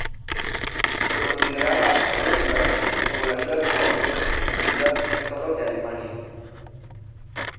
Se consideraba a Núremberg como la "ciudad joya" o ciudad tesoro de Alemania.